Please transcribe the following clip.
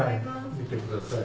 見てください。